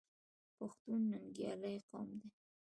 پښتون ننګیالی قوم دی.